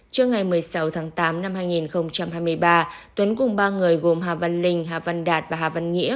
trước ngày một mươi sáu tháng tám năm hai nghìn hai mươi ba tuấn cùng ba người gồm hà văn linh hà văn đạt và hà văn nghĩa